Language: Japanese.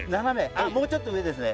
あもうちょっと上ですね。